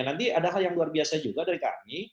nanti ada hal yang luar biasa juga dari kami